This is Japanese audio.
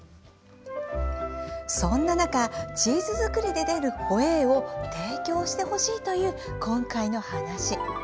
そんな中チーズ作りで出るホエーを提供してほしいという今回の話。